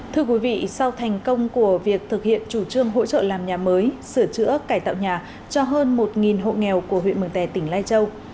thưa quý vị sau thành công của việc thực hiện chủ trương hỗ trợ làm nhà mới sửa chữa cải tạo nhà cho hơn một hộ nghèo của huyện mường tè tỉnh lai châu